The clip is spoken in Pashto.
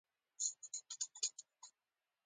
د یو جسم وزن لري د ازادو څرخونو په واسطه پورته کیږي.